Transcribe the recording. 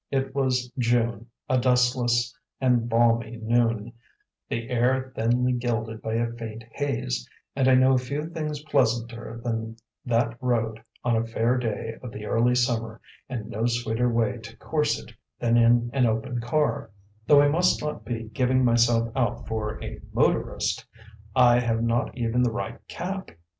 It was June, a dustless and balmy noon, the air thinly gilded by a faint haze, and I know few things pleasanter than that road on a fair day of the early summer and no sweeter way to course it than in an open car; though I must not be giving myself out for a "motorist" I have not even the right cap.